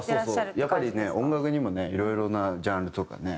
やっぱり音楽にもねいろいろなジャンルとかね